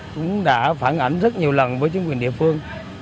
cũng đã phản ảnh rất nhiều lần với chính quyền địa phương